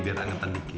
biar angetan dikit